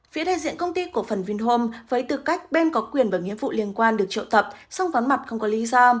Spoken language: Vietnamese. phía đại diện công ty của phần vinhome với tư cách bên có quyền và nghiệp vụ liên quan được trợ tập song ván mặt không có lý do